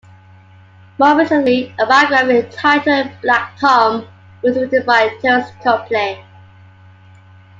More recently, a biography entitled "Black Tom" was written by Terence Copley.